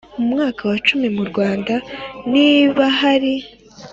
Mu mwaka wa cumi mu Rwanda ntibahari